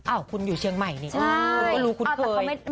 คุณอยู่เชียงใหม่นี่คุณก็รู้คุ้นเคย